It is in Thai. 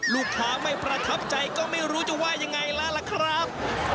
ลูกค้าไม่ประทับใจก็ไม่รู้จะว่ายังไงแล้วล่ะครับ